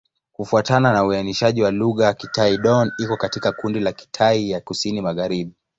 Kufuatana na uainishaji wa lugha, Kitai-Dón iko katika kundi la Kitai ya Kusini-Magharibi.